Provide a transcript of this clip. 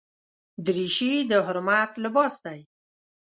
دریشي د حرمت لباس دی.